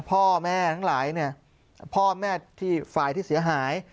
พ่อแม่ทั้งหลายพ่อแม่ฝ่ายที่เสียหาย